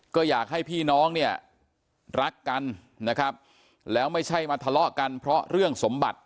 ก็อยากให้พี่น้องเนี่ยรักกันนะครับแล้วไม่ใช่มาทะเลาะกันเพราะเรื่องสมบัติ